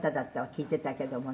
聞いてたけどもね」